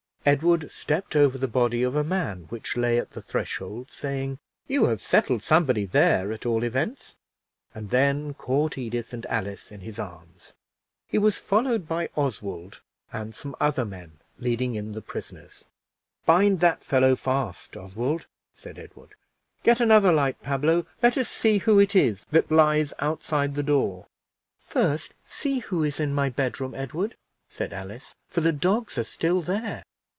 Edward stepped over the body of a man which lay at the threshold, saying "You have settled somebody there, at all events," and then caught Edith and Alice in his arms. He was followed by Oswald and some other men, leading in the prisoners. "Bind that fellow fast, Oswald," said Edward. "Get another light, Pablo; let us see who it is that lies outside the door." "First see who is in my bedroom, Edward," said Alice, "for the dogs are still there."